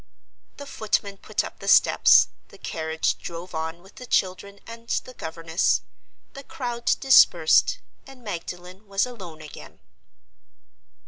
The footman put up the steps, the carriage drove on with the children and the governess, the crowd dispersed, and Magdalen was alone again.